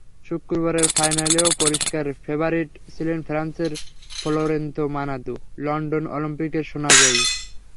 শুক্রবারের ফাইনালেও পরিষ্কার ফেবারিট ছিলেন ফ্রান্সের ফ্লোরেন্ত মানাদু, লন্ডন অলিম্পিকের সোনাজয়ী।